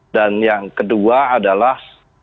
dan yang kedua adalah